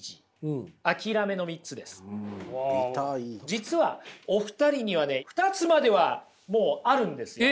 実はお二人にはね２つまではもうあるんですよ。